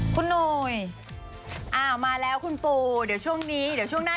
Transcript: คุณหนุ่ยอ้าวมาแล้วคุณปูเดี๋ยวช่วงนี้เดี๋ยวช่วงหน้า